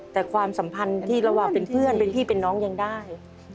แต่ความสัมพันธ์ที่ระหว่างเป็นเพื่อนเป็นพี่เป็นน้องยังได้